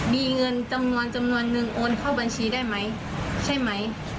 มีเงินจำนวนจำนวนนึงโอนเข้าบัญชีได้ไหมใช่ไหม